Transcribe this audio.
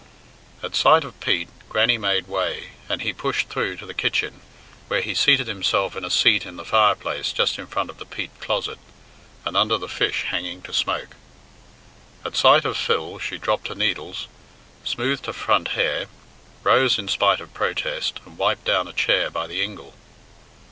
At sight of Pete, Grannie made way, and he pushed through to the kitchen, where he seated himself in a seat in the fireplace just in front of the peat closet, and under the fish hanging to smoke. At sight of Phil she dropped her needles, smoothed her front hair, rose in spite of protest, and wiped down a chair by the ingle.